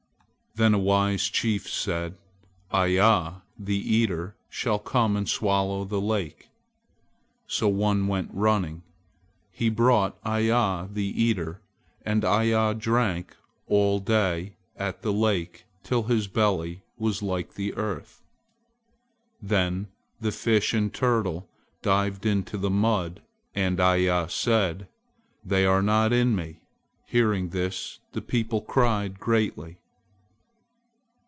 Then a wise chief said: "Iya, the Eater, shall come and swallow the lake!" So one went running. He brought Iya, the Eater; and Iya drank all day at the lake till his belly was like the earth. Then the Fish and the Turtle dived into the mud; and Iya said: "They are not in me." Hearing this the people cried greatly.